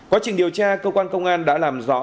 quá trình điều tra cơ quan công an đã làm rõ